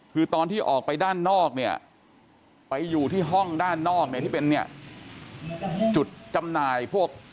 คือตอนที่ออกไปด้านนอกเนี่ยไปอยู่ที่ห้องด้านนอกเนี่ยที่เป็นเนี่ยจุดจำหน่ายพวก